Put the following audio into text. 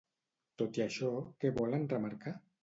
Tot i això, què volen remarcar?